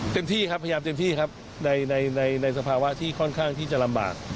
ที่ครับพยายามเต็มที่ครับในสภาวะที่ค่อนข้างที่จะลำบาก